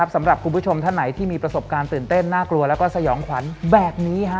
สำหรับคุณผู้ชมท่านไหนที่มีประสบการณ์ตื่นเต้นน่ากลัวแล้วก็สยองขวัญแบบนี้